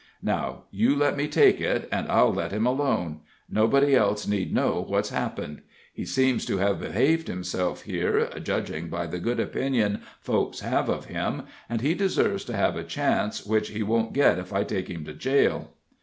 Now, you let me take it, and I'll let him alone; nobody else need know what's happened. He seems to have behaved himself here, judging by the good opinion folks have of him, and he deserves to have a chance which he won't get if I take him to jail."